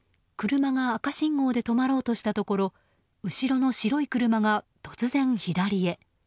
車が赤信号で止まろうとしたところ後ろの白い車が突然、左へ。